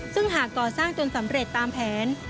ซึ่งหากก่อสร้างจนสำเร็จตามแผน